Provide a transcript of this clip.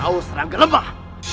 kau serangga lembah